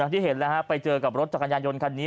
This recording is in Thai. ที่เห็นแล้วฮะไปเจอกับรถจักรยานยนต์คันนี้